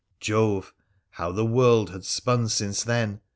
Jove ! how the world had spun since then